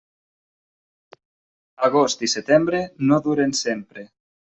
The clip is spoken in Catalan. Agost i setembre no duren sempre.